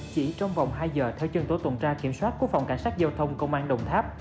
chỉ trong vòng hai giờ theo chân tổ tuần tra kiểm soát của phòng cảnh sát giao thông công an đồng tháp